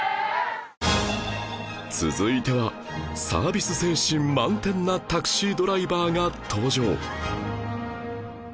続いてはサービス精神満点なタクシードライバーが登場